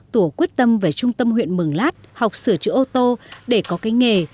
tủ quyết tâm về trung tâm huyện mường lát học sửa chữa ô tô để có cái nghề